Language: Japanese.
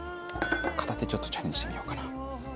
片手でちょっとチャレンジしてみようかな。